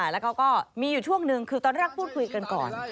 แล้วเขาก็มีอยู่ช่วงหนึ่งคือตอนแรกพูดคุยกันก่อน